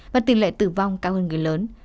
và tỷ lệ tử vong cao hơn người lớn